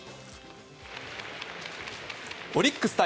オリックス対